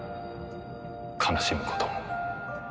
悲しむことも。